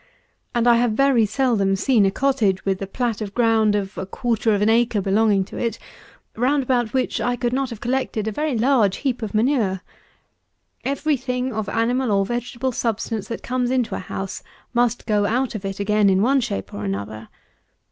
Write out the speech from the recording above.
And I have very seldom seen a cottage, with a plat of ground of a quarter of an acre belonging to it, round about which I could not have collected a very large heap of manure. Every thing of animal or vegetable substance that comes into a house, must go out of it again, in one shape or another.